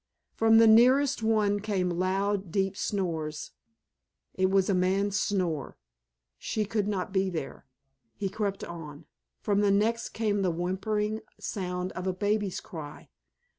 From the nearest one came loud, deep snores. It was a man's snore—she could not be there. He crept on. From the next came the whimpering sound of a baby's cry.